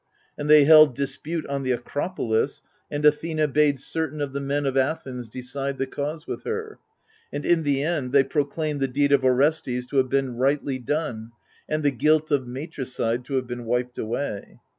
And they held dispute on the Acropolis, and Athena bade certain of the men of Athens decide the cause with her. And in the end they proclaimed the deed of Orestes to have been rightly done, and the guilt of matricide to have been wiped away.